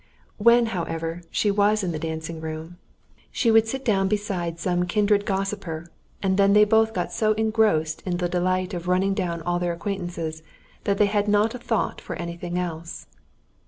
When, however, she was in the dancing room, she would sit down beside some kindred gossiper, and then they both got so engrossed in the delight of running down all their acquaintances, that they had not a thought for anything else.